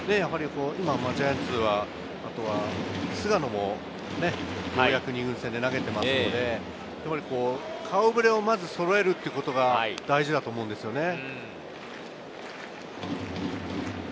ジャイアンツは菅野もね、ようやく２軍戦で投げていますので、顔ぶれをまずそろえるということが大事だと思うんですよね。